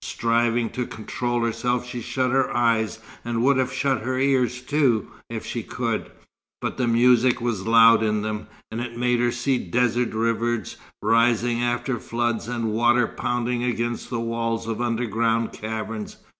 Striving to control herself she shut her eyes, and would have shut her ears too, if she could. But the music was loud in them. It made her see desert rivers rising after floods, and water pounding against the walls of underground caverns.